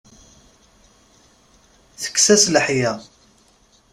Tekkes-as leḥya.